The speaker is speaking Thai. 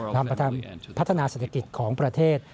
พัฒนาเศรษฐกิจของประเทศ